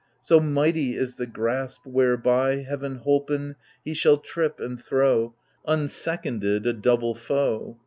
So mighty is the grasp whereby, Heaven holpen, he shall trip and throw, Unseconded, a double foe.